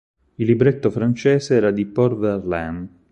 Il libretto francese era di Paul Verlaine.